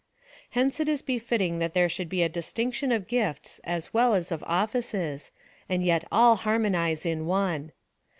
Hence it is befitting that there should be a distinction of gifts as well as of offices, and yet all harmonize in one.